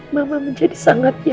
mamah menjadi satu orang yang berdua